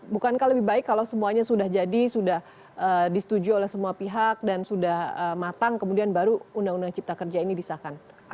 bukankah lebih baik kalau semuanya sudah jadi sudah disetujui oleh semua pihak dan sudah matang kemudian baru undang undang cipta kerja ini disahkan